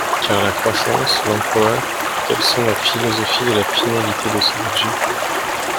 Car la croissance, l’emploi, tels sont la philosophie et la finalité de ce budget.